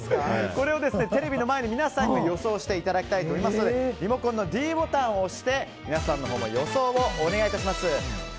これをテレビの前の皆さんにも予想していただきたいと思いますのでリモコンのｄボタンを押して皆さんも予想をお願いします。